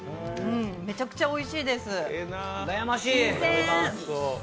めちゃくちゃおいしいです、新鮮。